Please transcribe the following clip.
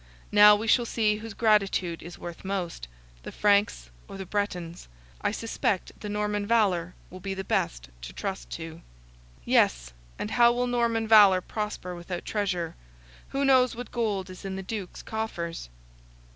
Now we shall see whose gratitude is worth most, the Frank's or the Breton's. I suspect the Norman valour will be the best to trust to." "Yes, and how will Norman valour prosper without treasure? Who knows what gold is in the Duke's coffers?"